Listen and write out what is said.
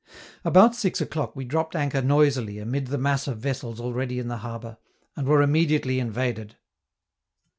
About six o'clock we dropped anchor noisily amid the mass of vessels already in the harbor, and were immediately invaded.